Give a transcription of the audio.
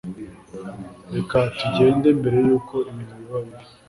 Reka tugende mbere yuko ibintu biba bibi